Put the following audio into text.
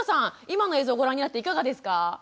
今の映像をご覧になっていかがですか？